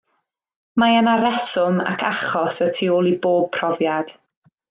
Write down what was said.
Mae yna reswm ac achos y tu ôl i bob profiad.